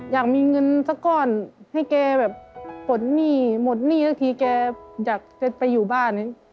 อยากมีเงินสักก้อนให้แกแบบปลดหนี้หมดหนี้สักทีแกอยากจะไปอยู่บ้าน